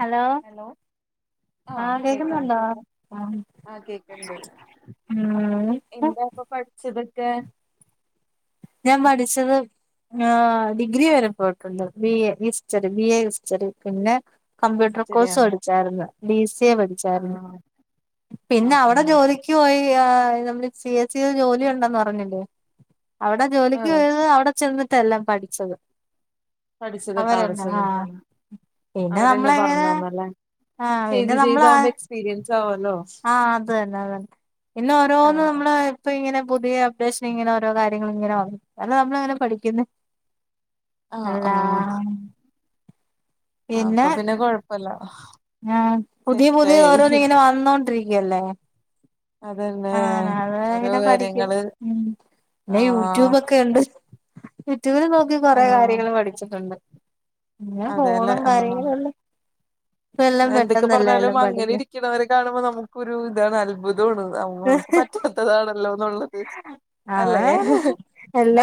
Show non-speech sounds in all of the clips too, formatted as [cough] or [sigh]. Hello? ആഹ് കേക്കുന്നുണ്ടോ? ആഹ് കേക്കണ്ട് ഉം എന്താ പ്പൊ പഠിച്ചതൊക്കെ? ഞാൻ പഠിച്ചത് ആഹ് ഡിഗ്രി വരെ പോയിട്ടുള്ളു. B A history B A history പിന്നെ കമ്പ്യൂട്ടർ കോഴ്സ് ഹിസ്റ്ററിയാണ് പഠിച്ചായിരുന്നു ഡി സി എ പഠിച്ചായിരുന്നു ആഹ് പിന്നെ ആഹ് അവിടെ ആഹ് ജോലി. ക്ക് പോയി ആ നമ്മള് സി എസ് ൽ ജോലി ഉണ്ടന്ന് പറഞ്ഞില്ലേ. അവടെ ജോലിക്ക് ആഹ് പോയത് അവടെ ചെന്നിട്ടെല്ലാം പഠിച്ചത്. പഠിച്ചതൊക്കെ അവടെ അവരന്നെ ആഹ് ചെന്നിട്ടാണ്. പിന്നെ അവരെന്നെ നമ്മളെങ്ങനെ പറഞ്ഞന്നല്ലേ ആഹ് ചെയ്ത് പിന്നെ ചെയ്ത് നമ്മള് ആകുമ്പോ എക്സ്പീരിയൻസ് ആവല്ലോ. ആഹ് അതന്നെ അതന്നെ പിന്നെ ഓരോന്ന് ആഹ് നമ്മള് ഇപ്പൊ ഇങ്ങനെ പുതിയ അപ്ഡേഷൻ ഇങ്ങനെ ഓരോ കാര്യങ്ങളും ഇങ്ങനെ വന്നു. അതല്ലേ നമ്മള് ങ്ങനെ പഠിക്കുന്നേ. ആഹ് ആഹ് ആഹ് അപ്പൊ പിന്നെ കൊഴപ്പല്ല ആഹ് പുതിയ പുതിയ സെറ്റായി ഓരോന്ന് ഇങ്ങനെ വന്നോണ്ടിരിക്കല്ലേ അതന്നെ ആഹ് അത് ഓരോ അങ്ങനെ പഠിക്കും കാര്യങ്ങള് പിന്നെ ആഹ് യൂട്യൂബൊക്കെ ഉണ്ട് യൂട്യൂബിൽ നോക്കി കൊറെ ആഹ് കാര്യങ്ങൾ പഠിച്ചിട്ടുണ്ട് അതെല്ലേ ഫോണും ആഹ് കാര്യങ്ങളുംല്ലേ ഇപ്പ എല്ലാം എന്തൊക്കെ പെട്ടെന്നല്ലേ പറഞ്ഞാലും എല്ലാം അങ്ങനെ പഠിക്കാൻ ഇരിക്കണവരെ കാണുമ്പോ നമുക്കൊരു ഇതാണ് അത്ഭുതമാണ് നമ്മൾക്ക് പറ്റാത്തതാണല്ലോന്നുള്ളത് അല്ലേ അതാണ് ഹ് ഹ്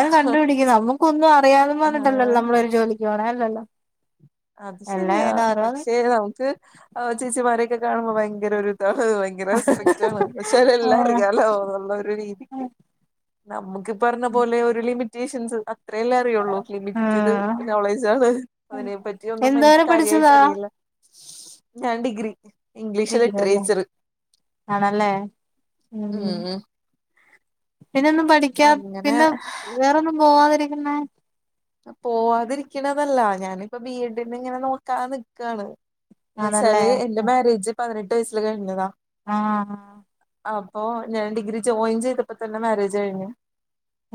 ആഹാ നൊന്നും അറിയാതെ പറഞ്ഞട്ടല്ലോ നമ്മള് ഒരു ജോലിക്ക് പോണേ അല്ലല്ലോ അത് എല്ലാം ശരിയാ ഇങ്ങനെ ഓരോന്ന് പക്ഷെ നമുക്ക് ചേച്ചിമാരെയൊക്കെ കാണുമ്പോ ഭയങ്കര ഒരു ഇതാണ് ഭയങ്കര റെസ്പെക്റ്റാണ്പക്ഷെഎല്ലാം ആഹ് അറിയാലോ എന്നുള്ള ഒരു രീതിക്ക് നമക്ക് പറഞ്ഞ പോലെ ഒരു ലിമിറ്റേഷൻസ് അത്രേല്ലേ അറിയുള്ളൂ ലിമിറ്റഡ് ആഹ് നോളേജ് ആണ് അതിനെ പറ്റി ഒന്നും അറിയില്ല എനിക്ക് എന്തോരെ കാര്യായിട്ട് പഠിച്ചതാ അറിയില്ല ഞാൻ ഡിഗ്രി ഇംഗ്ലീഷ് ഡിഗ്രി അല്ലേ ലിട്ട്രേച്ചർ ഉം ഉം പിന്നെ ഒന്നും പഠിക്കാ അങ്ങനെ പിന്നെ വേറൊന്നും പോവാതിരിക്കുന്നേ പോവാാതിരിക്കണതല്ല ഞാനിപ്പോ ബി എഡിന്ന് ഇങ്ങനെ നോക്കാൻ നിക്കാണ് എന്ന് ആണല്ലേ വെച്ചാല് എന്റെ മാരേജ് പതിനെട്ട് വയസ്സില് കഴിഞ്ഞതാ ആഹ് അപ്പോ ഞാൻ ഡിഗ്രി ജോയിൻ ചെയ്തപ്പോ തന്നെ മാരേജ് കഴിഞ്ഞു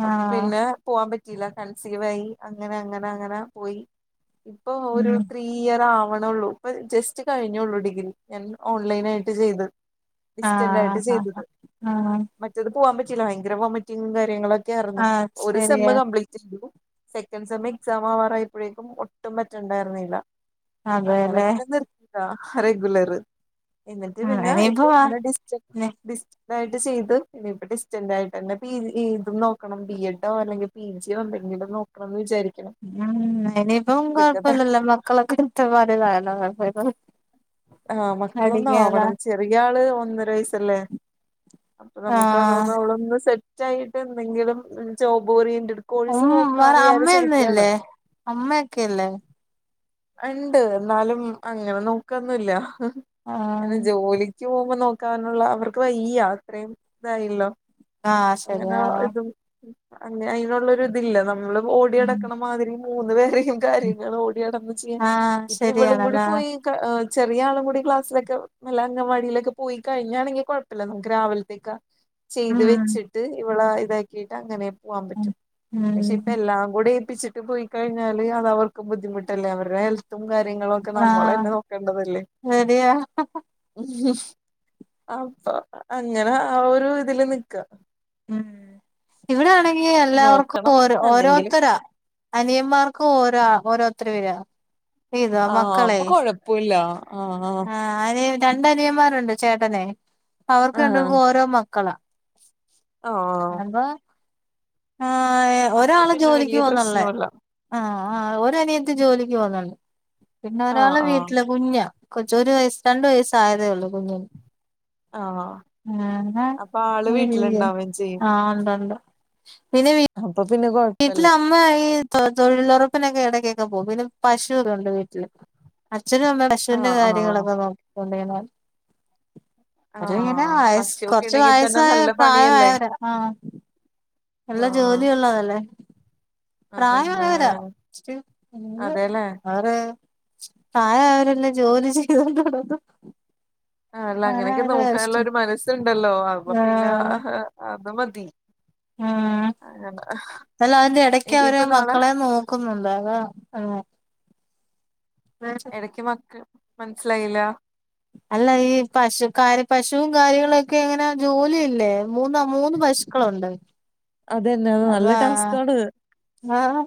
അപ്പൊ ആഹ് പിന്നെ പോവാൻ പറ്റിയില്ല കൺസവായി അങ്ങനെ അങ്ങനെ അങ്ങനെ പോയി ഇപ്പൊ ഉം ഓരോ ഈ ഇയർ ആവണള്ളൂ ഇപ്പൊ ജസ്റ്റ് കഴിഞ്ഞുള്ളൂ ഡിഗ്രി ഞാൻ ഓൺലൈൻ ആയിട്ട് ചെയ്തത് ഇിസ്റ്റന്റായിട്ട് ആഹ് ചെയ്തത് ആഹ് ആഹ് മറ്റത് പോവാാൻ പറ്റില്ല ഭയങ്കര വോമിറ്റിംഗും കാര്യങ്ങളൊക്കെ യായിരുന്നു ആഹ് ഒരു സെമ്മ് ശരിയാ കമ്പ്ലീറ്റ് സെക്കൻ് സെമ് എക്സാം ആവാറായപ്പോഴേക്കും ഒട്ടും പറ്റണ്ടായിരുന്നില്ല അങ്ങനെ അതെല്ലേ പിന്നെ നിർത്താം അ റെഗുലർ എന്നിട്ട് ഉം പിന്നെ ഇപ്പ ഇനിയിപ്പോ ഇങ്ങനെ ഡിസ്റ്റൻ ഇതായിട്ട് ചെയ്ത് പിന്ന ഇപ്പ ഡിസ്റ്റന്റ് ആയിട്ട്ന്നെ പി ഏതും നോക്കണം ബി എഡോ അല്ലെങ്കിൽ പി ജിയോ എന്തെങ്കിലും നോ ക്കണം വിചാരിക്കുണു ഉം ഇനിയിപ്പം കൊഴപ്പില്ലല്ലോ മക്കളൊക്കെ ഇറ്റ പറലതായാലോപ്പ ആഹ് മക്കളൊന്ന ആവണം ചെറിയ ആള് ഒന്നര വയസല്ലേ അപ്പൊ ആഹ് നമുക്ക്തോന്ന അവളൊന്ന് സെറ്റ് ആയിട്ട് എന്തെങ്കിലും ജോബ്ഓറിയന്റ് കോഴ്സ് ഉം നോക്കാം വേറെ എന്ന് വിചാരിച്ചിരിക്കുകയാണ് അമ്മയൊന്നുംല്ലേ അമ്മയൊക്കെല്ലേ ഉണ്ട് എന്നാലും അങ്ങനെ നോക്കന്നല്ല അനെ ആഹ് ജോലി ക്ക് പോകുമ്പോ നോക്കാനുള്ള അവർക്ക് വയ്യ അത്രയും ഇതായില്ലോ ആഹ് ശരി അങ്ങനെ ആഹ് ശരിയാ ഇതും അ അതിനുള്ളരു ഇതില്ല നമ്മൾ ഓടി അടക്കണ ഉം മാതിരി മൂന്ന് പേര കാര്യങ്ങൾ ഓടടന്ന് ചെയ്യൻ ആഹ് ഇപ്പൊ ഇവളും കൂടി ശരിയാണല്ലേ പോയി ഏ് ചെറിയ ആളും കൂടി ക്ലാസിലക്കെ നല്ല അവാടിയിലൊക്കെ പോയി കഴിഞ്ഞാണെങ്കിൽഴപ്പ നമു രാവിലത്തേക്ക ചെയ്ത് ഉം വെച്ചിട്ട് ഇവളെ ഇതാക്കിട്ട് അങ്ങനെ പോകൻ ഉം പറ്റും പക്ഷെ ഇപ്പ ഉം എല്ലാം കൂടെ ഏൽപ്പിച്ചിട്ട് പോയി കഴിഞ്ഞില് അത് അവർക്കും ബുദ്ധിമുട്ടല്ലേ അവരുടെ ഹെൽത്തും കാര്യങ്ങളും ഒക്കെ നമ്മള ആഹ് തെ കണ്ടതല്ലേ ശരിയാ ഉം അപ്പൊ അങ്ങനെ ആഹ് ഒരു ഇതില് നിക്ക ഉം ഇവിടെ ആണെങ്കി എല്ലാവർക്കും നോക്കണം ഓരോ എന്തെങ്കിലും ഓരോരുത്തരാ അനിയന്മാർക്ക് ഓരോ ഓരോരുത്തർ വരാ ഇതാ ആഹ് മക്കളെ അപ്പൊ കൊഴപ്പില്ല ആഹ് ആഹ് ആഹ് അനി രണ്ട് അനിയന്മാരുണ്ട് ചേട്ടനെ അ അവർക്ക് ആഹ് രണ്ട് പേർക്കും ഓരോ മക്കളാ ആഹ് ആഹ് അപ്പൊ ആഹ് അപ്പൊ ഒരാള് പിന്നെ ജോലിക്ക് വല്യ പോന്നള്ളേ പ്രശ്നോല്ല ആഹ് ആഹ് ഒര് അനിയത്തി ജോലിക്ക് പോവുന്നുണ്ട് പിന്നെ ആഹ് ഒരാള് ആഹ് വീട്ടില് കുഞ്ഞാ കൊച്ച് ഒരു വയസ്സ് രണ്ടു വയസ്സ് ആയതേ ഉള്ളൂ കുഞ്ഞിന് ആഹ് ആഹാ അപ്പൊ ആള് [unintelligible] വീട്ടിലുണ്ടാവേം ചെയ്യും ആഹ് ഒണ്ട് ഒണ്ട് പിന്നെ [unintelligible] അപ്പൊ പിന്നെ കൊഴപ്പില്ല വീട്ടില് അമ്മ ഈ തൊ തൊഴിലൊറപ്പിനൊക്കെ എടക്കൊക്കെ പോകും പിന്നെ പശു ഒക്കെയുണ്ട് വീട്ടില്. അച്ഛനും അമ്മയും ആഹ് പശുവിന്റെറെ ആഹ് കാര്യങ്ങളൊക്കെ നോക്കിക്കൊ [unintelligible] ഒരു ഇങ്ങനെ ആഹ് പശുവൊക്കെ കൊറച്ച് ഉണ്ടെങ്കി തന്നെ വയസ്സായ നല്ല പണിയല്ലേ പ്രായമായവരാ ആഹ് എല്ലാ ആഹ് ജോലിയൊള്ളതല്ലേ അതന്നെ പ്രായമായവരാ പക്ഷേ [unintelligible] അതേല്ലേ വേറെ പ്രായമായവരെല്ലാം ജോലി ചെയ്ത് കൊണ്ട് ആഹ് അല്ല അങ്ങനെയൊക്കെ നോക്കാനുള്ള ഒരു മനസ്സുണ്ടല്ലോ അപ്പൊ പിന്നെ ആഹ് അത് മതി ഉം അങ്ങനെ അല്ല അതിന്റെ എടയ്ക്ക് അവര് ഇനിയിപ്പ ആഹ് നാളെ മക്കളെ നോക്കുന്നുണ്ട് അതാ [unintelligible] ആഹ് എടയ്ക്ക് മക്കൾ മനസ്സിലായില്ല അല്ല ഈ പശു കാര്യ പശും കാര്യങ്ങളൊക്കെ ഇങ്ങനെ ജോലിയല്ലേ മൂന്നാ മൂന്ന് പശുക്കളൊണ്ട്. അതന്നെ അത് നല്ല ടാസ്ക്കാണ്. മാഹ്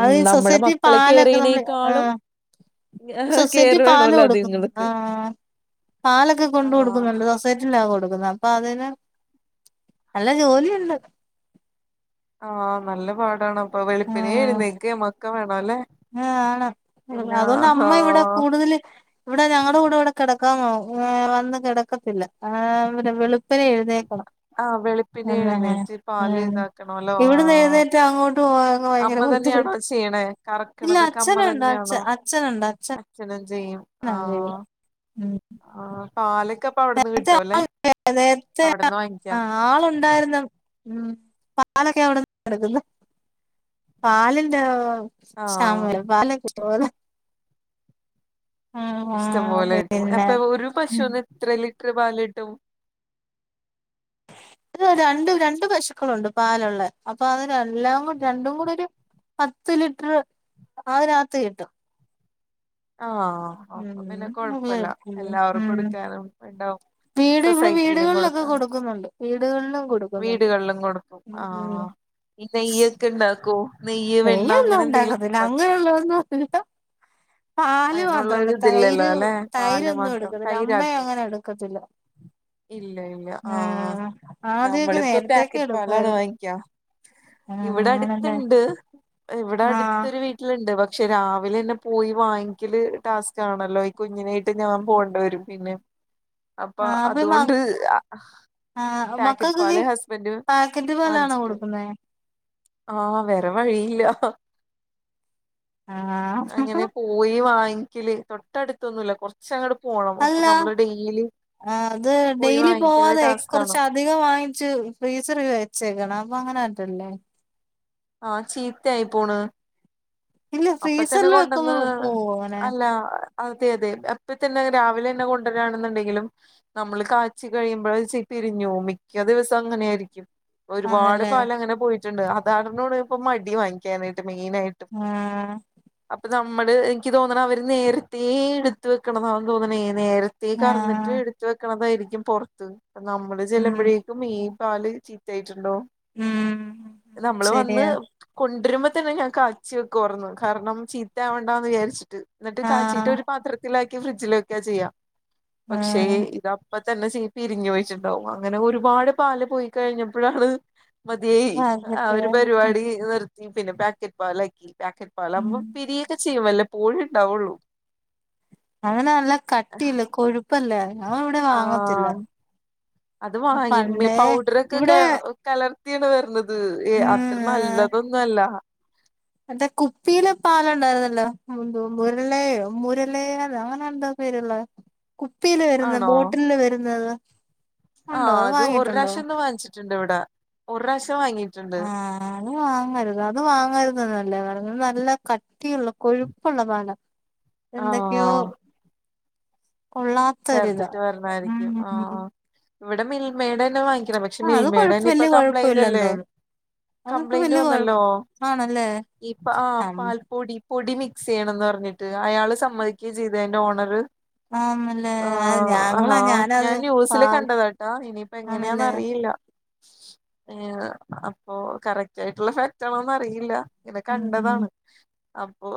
അത് ഈ നമ്മടെ സൊസൈറ്റി മക്കളെ പാലൊക്കെ നമ്മള് കെയറെയ്യണേക്കാളും ആഹ് കെയർ സൊസൈറ്റി പാല് വേണോല്ലോ കൊടുക്കുന്നുണ്ട് അതിങ്ങൾക്ക് ആഹ് പാലൊക്കെ കൊണ്ട് ആഹ് കൊടുക്കുന്നുണ്ട് സ [unintelligible] കൊടുക്കുന്നേ അപ്പൊ അതിന് നല്ല ജോലിയുണ്ട് ആഹ് നല്ല പാടാണ് ആ വെളുപ്പിനെ എഴുന്നേക്കേം ഒക്കെ വേണല്ലേ ആ ആണ് പിന്നെ അതുകൊണ്ട് ഹാ അമ്മ [unintelligible] ഇവിടെ ഞങ്ങടെ കൂടെ ഇവിടെ കെടക്കാൻ ഏഹ് വന്ന് കെടക്കത്തില്ല ഏഹ് പിന്നെ വെളു പ്പിനെ എഴുന്നേക്കണം ആഹ് വെളുപ്പിനെ ആഹ് എഴുന്നേറ്റ് പാല് ആഹ് ഇതാക്കണോല്ലോ ഇവിടന്ന് ആഹ് എഴുന്നേറ്റ് അങ്ങോ അമ്മ തന്നെയാണോ ചെയ്യണേ ഇല്ല കറക്കണതൊക്കെ അമ്മ അച്ഛനുണ്ട് അച്ഛ തന്നെയാണോ? അച്ഛനുണ്ട് അച്ഛനാ അച്ഛനും ചെയ്യും ആഹ് കഴിയുക ഉം ആഹ് പാലൊക്കെ പ്പ അവിടുന്ന് കിട്ടൂല്ലേ നേരത്തെ അവിടെന്ന് വാങ്ങിക്കാ. ആ ആളുണ്ടായിരുന്നു ഉം പാലൊക്കെ അവിടെന്നാ എടുക്കുന്നേ. പാലിന്റെ ആഹ് ക്ഷാമം ഇല്ല പാലൊക്കെ ഇഷ്ടം പോലെ ഉം ഇഷ്ടം പോലെ ഉം കിട്ടും, പിന്നെ അപ്പൊ ഒരു ഉം പശൂന് എത്ര ലിറ്ററ് പാല് കിട്ടും. ഇത് രണ്ട് രണ്ട് പശുക്കളുണ്ട് പാലുള്ളേ അപ്പൊ അത് എല്ലാം കൂ രണ്ടും കൂടൊരു പത്ത് ലിറ്ററ് അതിനാത്ത് കിട്ടും ആഹ് അപ്പൊ പിന്നെ ഉം നല്ല കൊഴപ്പല്ല കിട്ടും. ഉം എല്ലാവർക്കും എടുക്കാനും ഇണ്ടാവും സൊസൈറ്റീലും കൊടുക്കാം. വീടുകൾലും കൊടുക്കുന്നുണ്ട് വീടുകളിലും കൊടുക്കും ഉം ഉം ആഹ് ഈ നെയ്യൊക്കെ ഇണ്ടാക്കോ നെയ്യ് വെണ്ണ നെയ്യൊന്നും അങ്ങനെ എന്തെങ്കിലുമൊക്കെ ഉണ്ടാക്കത്തില്ല ഇണ്ടാക്കോ അങ്ങിനെയുള്ളതൊന്നും ഇല്ല. പാല് അയിനുള്ളൊരു മാത്രേള്ളൂ ഇതില്ലല്ലോ തൈര് അല്ലെ പാല് തൈരൊന്നും മാത്രം എടുക്കത്തില്ല അമ്മയും തൈരാക്കും അങ്ങനെ എടുക്കത്തില്ല. ഇല്ല ഇല്ല ആഹ് ആദ്യൊക്കെ നമ്മളിപ്പോ നേരത്തൊക്കെ പേക്കറ്റ് പാലാണ് എടുക്കുവായിരുന്നു വാങ്ങ്ക്കാ. ആഹ് ഇവടെ ആണല്ലേ അട്ത്തിണ്ട് ഇവിടെ ആഹ് അടുത്തൊരു വീട്ടിലിണ്ട് പക്ഷെ രാവിലന്നെ പോയി വാങ്ങി ക്കല് ടാസ്കാണല്ലോ ഈ കുഞ്ഞിനേ ആയിട്ട് ഞാൻ പോണ്ടേ വെരും പിന്നെ അപ്പൊ ആഹ് മ അതുകൊണ്ട് ആഹ് പേക്കറ്റ് മക്കൾക്കൊക്കെ പാല് ഹസ്ബൻഡ് പാക്കറ്റ് പാലാണോ വാങ്ങ്ച്ചിട്ട് കൊടുക്കുന്നേ ആഹ് വേറെ വഴിയില്ല ആഹ് അങ്ങനെ പോയി വാങ്ങിക്കല് തൊട്ടടുത്തൊന്നില്ല കൊർ ച്ചങ്ങട് പോണം അപ്പൊ അല്ല നമ്മള് ഡെയിലി അത് പോയി ഡെയിലി വാങ്ങിക്കല് പോവാതെ ടാസ്കാണ്. കുറച്ച് അധികം വാങ്ങിച്ച് ഫ്രീസറില് വെച്ചേക്കണം അപ്പൊ അങ്ങനെ പറ്റില്ലേ ആഹ് ചീത്തായി പോണ് ഇല്ല അപ്പത്തന്നെ ഫ്രീസറിൽ വെക്കുമ്പോ കൊണ്ടന്ന് പോവോ അങ്ങനെ അല്ല അതെ അതെ അപ്പത്തന്നെ രാവിലെന്നെ കൊണ്ടരാണ്ന്നുണ്ടെങ്കിലും നമ്മള് കാച്ചി കഴിയുമ്പള് പിരിഞ്ഞോവും മിക്ക ദിവസം അങ്ങനായിരിക്കും. ഒരുപാട് ആന്നല്ലേ പാലങ്ങനെ പോയിട്ട്ണ്ട്. അതാണ്നോട് ഇപ്പ മടിം വാങ്ങിക്കാനായിട്ട് മെയിനായിട്ടും ആഹ് അപ്പൊ നമ്മള് എനിക്ക് തോന്ന്ണെ അവര് നേരത്തേ എട്ത്ത് വെ വെക്ക്ണതാന്ന് തോന്ന്ണേ നേരത്തേ കറ്ന്ന്ട്ട് ആഹ് എടുത്ത് വെക്ക്ണതായിരിക്കും പൊർത്ത് നമ്മള് ഉം ചെല്ലുമ്പഴേക്കും ഈ പാല് ചീത്തായിട്ട്ണ്ടാവും. ഉം നമ്മള് വന്ന് ശരിയാ കൊണ്ടരുമ്പം തന്നെ ഞാൻ കാച്ചി വെക്കുവാർന്ന്. കാരണം ചീത്തയാവണ്ടാന്ന് വിചാരിച്ചിട്ട് ന്നിട്ട് കാച്ചിട്ട് ആഹ് ഒരു പാത്രത്തിലാക്കി ഫ്രിഡ്ജില് വെക്കാ ചെയ്യാ. പക്ഷേ ആഹ് ഇതാ പ്പത്തന്നെ ചീ പിരിഞ്ഞ് പോയിട്ട്ണ്ടാവും. അങ്ങനെ ഒരുപാട് പാല് പോയി കഴിഞ്ഞപ്പളാണ് മതിയായി. ആ ആകട്ടെ ഒരു പരിപാടി നിർത്തി പിന്നെ പേക്കറ്റ് പാലാക്കി പാക്കറ്റ് ഉം പാലാവ്മ്പം പിരിയൊക്കെ ചെയ്യും. വല്ലപ്പോഴും ഉണ്ടാവൊള്ളൂ. അങ്ങനെ നല്ല കട്ടിയല്ലെ കൊഴുപ്പല്ലേ ഞങ്ങളിവടെ വാങ്ങത്തില്ല. ആഹ് അത് വാങ്ങി പണ്ടേ പൗഡറൊക്കെ ക ഇവിടെ കലർത്തിയാണ് വര്ണത്. ഏഹ് ഉം അത്ര നല്ലതൊന്നും അല്ല. എന്താ കുപ്പീല് പാലുണ്ടായിരുന്നല്ലോ. മുര്ലയോ മുരലയോ അങ്ങനെന്തോ പ്പിയിലുള്ള കുപ്പീല് വരുന്ന ആണോ ബോട്ടില് വരുന്നത്. ഉണ്ടോ ആഹ് അത് വാങ്ങിയിട്ടുണ്ടോ ഒരുറാശ്യം ഒന്ന് വാങ്ങിച്ചിട്ടുണ്ട് ഇവിടെ ഒര്റാശ്യം വാങ്ങി ആഹ് അത് വാങ്ങരുത് അത് വാങ്ങരുതന്നല്ലേ പർഞ്ഞെ നല്ല ക ട്ടിയുള്ള കൊഴുപ്പുള്ള പാലാ എന്തക്കെയോ ആഹ് കൊള്ളാ ചേർത്തിട്ട് വര്ണായിരിക്കും. ആഹ് ഇവടെ മിൽമേടെന്നെ വാങ്ങിക്കണ പക്ഷെ ആഹ് അത് കൊഴപ്പ മിൽമേഡന്നെ ഇപ്പം വല്യ കൊഴപ്പമില്ലെന്ന് കംപ്ലൈന്റ്ല്ലേ. തോന്നുന്നു അതിപ്പോ കംപ്ലൈന്റ് വല്യ കൊഴ വന്നല്ലോ ആണല്ലേ ഈ പ്പാ ആഹ് പാൽപ്പൊടി പൊടി മിക്സെയ്യ്ണ്ന്നർഞ്ഞിട്ട് അയാള് സമ്മതിക്കേം ചെയ്ത് അയ്ന്റെ ഓണറ്. ആഹ് ന ആഹ് ഹാ ഞാൻ ന്യൂസില് പാൽ കണ്ടതാട്ടാ ഇനിയിപ്പോ എങ്ങനാന്ന് ആന്നല്ലേ അറിയില്ല. ഏഹ് അപ്പൊ കറക്റ്റ് ആയിട്ടുള്ള ഫാക്റ്റ് ആണോന്നും അറിയില്ല. ഇങ്ങനെ ഉം കണ്ടതാണ്. അപ്പൊ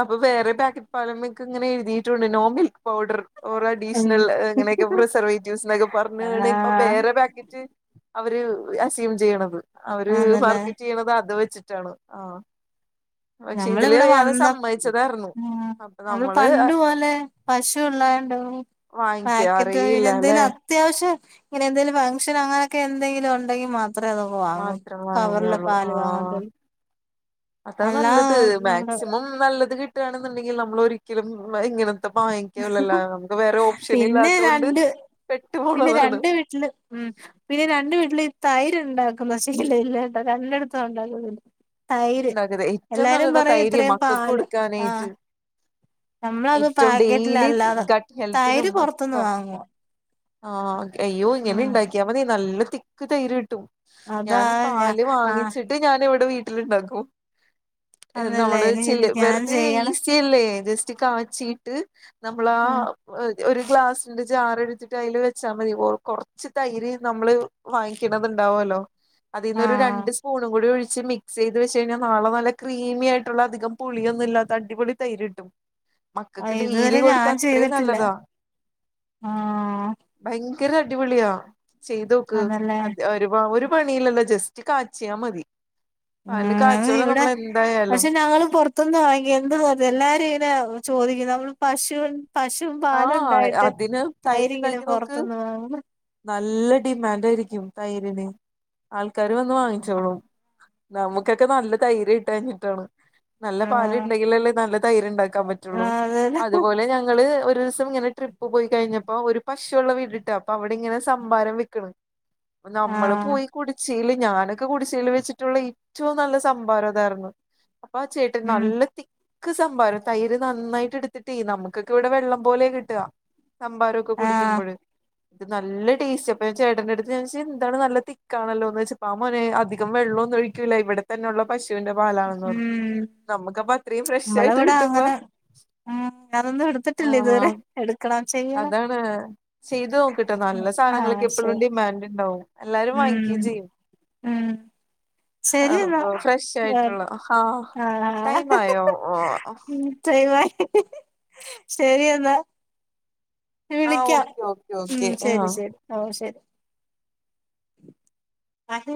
അപ്പൊ വേറെ പാക്കറ്റ് പാല്മ്മൊക്ക ഇങ്ങനെ എഴുതിയിട്ടുണ്ട് നോ മിൽക്ക് പൗഡർ ഓറോ ഉം അഡീഷണൽ അങ്ങനെയൊക്കെ പ്രിസർവേറ്റീവ്സ് എന്നൊക്കെ പർഞ്ഞ്ണ് ഇപ്പൊ ആഹ് വേറെ പാക്കറ്റ് അവര് അസീം ചെയ്യണത്. അവര് ആന്നല്ലേ മാർക്കറ്റ് ചെയ്യണത് അത് വെച്ചിട്ടാണ് ആഹ്. പക്ഷെ ഇതില് ഞമ്മളിവിടെ ഇയാള് വന്ന സമ്മതിച്ചതായിരുന്നു നമ്മള് പണ്ട് പോലെ പശുള്ളോണ്ടെ പാക്കറ്റ് ഇന വാങ്ങിക്കാറേയില്ല അല്ലെ എന്തേലും അത്യാവശ്യം ഇങ്ങനെന്തേലും ഫങ്ക്ഷൻ അങ്ങനൊക്കെ എന്തെങ്കിലും ഉണ്ടെങ്കി മാ എത്ര അതൊക്കെ വാങ്ങും മാത്രം കവർലെ വാങ്ങിക്കുള്ളൂ പാല് വാങ്ങ ആഹ് അതാ നല്ലത് മാക്സിമം നല്ലത് കിട്ടാണെന്നുണ്ടെങ്കിൽ നമ്മൾ ഒരിക്കലും ഇങ്ങനെ വാങ്ങിക്കൂലല്ലോ നമുക്ക് വേറെ പിന്നെ ഓപ്ഷനില്ലാത്തോണ്ട് പെട്ടു പോണതാണ്. വീട്ട്ല് ഉം പിന്നെ രണ്ട് വീട്ടില് ഈ തൈര് ഉണ്ടാക്കും. പഷേങ്കില് [unintelligible] രണ്ടിടത്ത് ഉണ്ടാക്കു തൈര് ഉണ്ടാക്കത് ഏറ്റവും എല്ലാരും നല്ലതാ പറയും തൈര് ഇത്രയും മക്കൾക്ക് പാല് ആഹ് കൊടുക്കാനായിട്ട് നമ്മളത് ഏറ്റവും ഡെയിലി പാക്കറ്റിലല്ലാതെ ഗട്ട് തൈര് ഹെൽത്തിനും പൊർത്തുന്ന് ഒക്കെ വാങ്ങുവാ ആഹ് അയ്യോ ഇങ്ങനെ ഉം ഇണ്ടാക്കിയാ മതി നല്ല തിക്ക് തൈര് കിട്ടും. അതാ ഞാൻ ഞാ പാല് ആഹ് വാങ്ങിച്ചിട്ട് ഞാൻ ഇവിടെ വീട്ടില് ഇണ്ടാക്കും. അതല്ലേ നമ്മള് ഇനി ചില്ല് ഞാൻ വെറുതെ ചെയ്യണം ഈസിയല്ലേ ജസ്റ്റ് കാച്ചീട്ട് നമ്മളാ ഉം ഒരു ഗ്ലാസ്സ്ന്റെ ജാറെട്ത്തിട്ട് അയില് വെച്ചാ മതി കൊ കൊർച്ച് തൈര് നമ്മള് വാങ്ങിക്ക്‌ണത് ണ്ടാവോല്ലോ അതിന്നൊരു ആഹ് രണ്ട് സ്പൂണും കൂടി ഒഴിച്ച് മി ക്സ് ചെയ്ത് വെച്ച് കഴിഞ്ഞാൽ നാളെ നല്ല ക്രീമി ആയിട്ടുള്ള അധികം പുളിയൊന്നും ഇാല്ലാത്ത അടിപൊളി തൈര് കിട്ടും ആഹ് മക്കൾക്ക് ഡെയ്ലി ഇതുവരെ കൊടുത്ത ഞാൻ അത്രേം ചെയ്തിട്ടില്ല നല്ലതാ ആഹ് ഭയങ്കര അടിപൊളിയാ ചെയ്തോക്ക് ആണല്ലേ അത് ഒരുപാ ഒര് പണില്ലല്ലോ ജസ്റ്റ് കാച്ചിയാ മതി പാല് ആഹ് കാച്ചോലോ ഇവിടെ നമ്മൾ എന്തായാലും പക്ഷെ ഞങ്ങള് പൊറത്ത് തൊന്ന് വാങ്ങിയെ എന്തുവാത് എല്ലാരും ഇങ്ങനെ ചോദിക്കും നമ്മള് പശു പശും ആ പാലും ഉണ്ടായിട്ട് അതിന് തൈര് തൈരിങ്ങനെ ഉണ്ടാക്കി നോക്ക് പുറത്തൊന്ന് വാങ്ങും നല്ല ഡിമാൻഡ് ആയിരിക്കും തൈരിന്. ആൾക്കാര് വന്ന് വാങ്ങിച്ചോളും നമുക്കൊക്കെ നല്ല തൈര് കിട്ടാഞ്ഞിട്ടാണ് നല്ല പാല് ആഹ് ണ്ടെങ്കിലല്ലേ നല്ല തൈര് ണ്ടാക്കാൻ പറ്റുള്ളൂ. ആഹ് അതേല്ലേ അതുപോലെ ഞങ്ങള് ഒരു ഒരു ദിവസം ഇങ്ങനെ ട്രിപ്പ് പോയി കഴിഞ്ഞപ്പൊ ഒരു പശുവുള്ള വീട് ട്ടാ അപ്പൊ അവിടെങ്ങനെ സംഭാരം വിക്ക്ണ് പ്പൊ നമ്മള് ആഹ് പോയി കുടിച്ചേല് ഞാനൊക്കെ കുടിച്ചേല് വെച്ചിട്ടുള്ള ഏറ്റവും നല്ല സംഭാരം അതാര്ന്നു അപ്പൊ ആ ചേട്ടൻ ഉം നല്ല തിക്ക് സംഭാരം തൈര് നന്നായിട്ട് എടുത്തിട്ടെയ് നമുക്കൊക്കെ ഇവിടെ വെള്ളം പോലെ കിട്ടുക സമ്പാാരൊക്കെ ആഹ് കുടിക്കുമ്പോൾ ഇത് നല്ല ടേസ്റ്റ് അപ്പൊ ഞാ ചേട്ടന്റെ അടുത്ത് ചോയ്ച്ച് എന്താണ് നല്ല തിക്കാണല്ലോന്നോയ്ച്ചപ്പൊ ആ മോനെ അധികം വെള്ളൊന്നും ഒഴി റ്റൂല ഇവിടെ തന്നെള്ള പശുവിന്റെ പാലാണെന്ന് പറഞ്ഞു. ഉം നമുക്ക്പ്പ അത്രയും ഫ്രഷ് ആയിട്ട് കിട്ടുമ്പോ ആഹ് കറന്നെടുത്തി ആഹ് അതാണ് ചെയ്ത് നോക്ക്‌ട്ടോ നല്ല ആഹ് സാധനങ്ങൾക്കെപ്പെഴും ശരി ഡിമാൻഡ് ണ്ടാവും എല്ലാരും വാങ്ങിക്കയും ഉം ചെയ്യും ഉം ശരി എന്നാ അപ്പൊ ഫ്രഷ് ആയിട്ടുള്ളേ ആഹ് ടൈം ആയോ ഓഹ് ടൈം ആയി ശെരി യെന്ന ആഹ് വിളിക്കാം ഓക്കെ ഓക്കെ ഉം ഓക്കെ ശരി ആഹ് ശരി ഓഹ് ശരി അത്